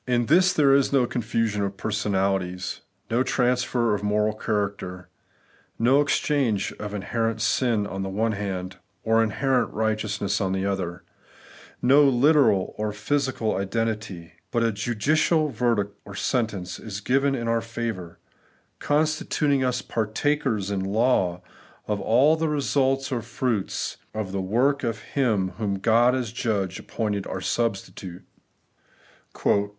For ^ In tMs there is no confusion of personalities ; no transfer of moral character ; no exchange of inherent sin en the one hand, or inJierent righteousness on the other ; no literal or physical identity ; but a judicial verdict orsentence is given in our favour, constituting us partakers in law of all the results or fmits of the work of Him whom God, as Judge, appointed our substitute.